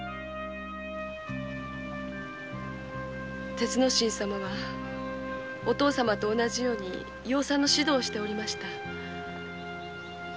鉄之進様はお父様と同じように養蚕の指導をしておりました。